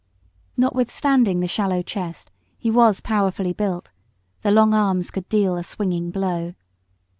Notwithstanding the shallow chest, he was powerfully built, the long arms could deal a swinging blow.